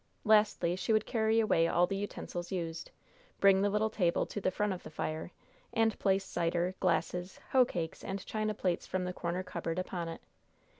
Lastly, she would carry away all the utensils used, bring the little table to the front of the fire, and place cider, glasses, hoe cakes and china plates from the corner cupboard upon it.